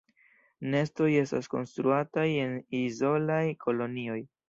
Nestoj estas konstruataj en izolaj kolonioj.